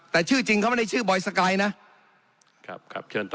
แต่ชื่อจริงเขาไม่ได้ชื่อบอยสกายนะครับครับเชิญต่อ